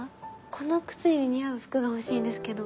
この靴に似合う服が欲しいんですけど。